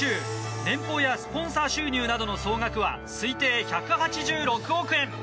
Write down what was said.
年俸やスポンサー収入などの総額は推定１８６億円。